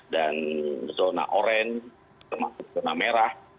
dan zona oran termasuk zona merah